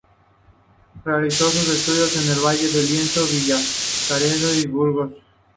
Realizó sus estudios en el valle de Liendo, Villacarriedo y Burgos.